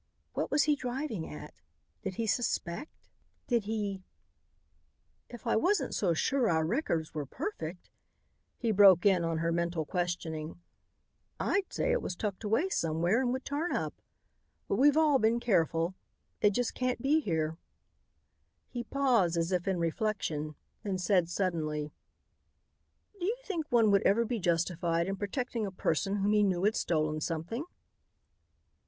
What was he driving at? Did he suspect? Did he "If I wasn't so sure our records were perfect," he broke in on her mental questioning, "I'd say it was tucked away somewhere and would turn up. But we've all been careful. It just can't be here." He paused as if in reflection, then said suddenly: "Do you think one would ever be justified in protecting a person whom he knew had stolen something?"